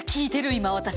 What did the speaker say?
今私。